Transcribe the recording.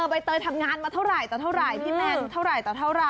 เบนเตยทำงานมาเท่าไหร่พี่แมนเท่าไหร่